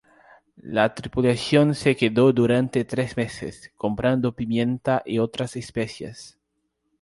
La tripulación se quedó durante tres meses comprando pimienta y otras especias.